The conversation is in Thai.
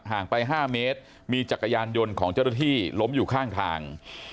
งไป๕เมตรมีจักรยานยนต์ของเจ้าหน้าที่ล้มอยู่ข้างทาง